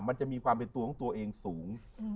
มันจะมีความเป็นตัวของตัวเองสูง